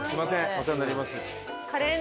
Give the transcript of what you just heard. お世話になります。